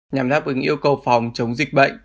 nhằm đáp ứng yêu cầu phòng chống dịch bệnh